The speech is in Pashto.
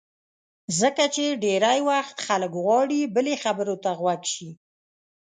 ځکه چې ډېری وخت خلک غواړي بل یې خبرو ته غوږ شي.